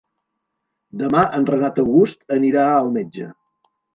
Demà en Renat August anirà al metge.